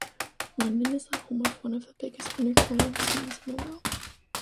London is the home of one of the biggest underground scenes in the world.